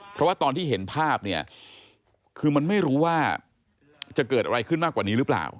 เพราะว่าตอนที่เห็นภาพเนี่ยคือมันไม่รู้ว่าจะเกิดอะไรขึ้นมากกว่านี้หรือเปล่า